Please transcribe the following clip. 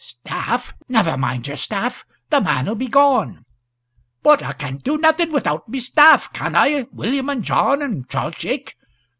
"Staff! never mind your staff the man'll be gone!" "But I can't do nothing without my staff can I, William, and John, and Charles Jake?